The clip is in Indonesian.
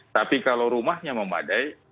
tapi kalau rumahnya memadai